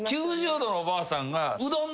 ９０度のおばあさんが。